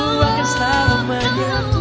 kuyakin kau tahu